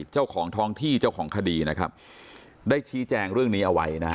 เจ้าของท้องที่เจ้าของคดีนะครับได้ชี้แจงเรื่องนี้เอาไว้นะฮะ